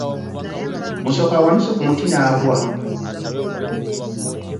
Musoke awanuse ku muti n'agwa.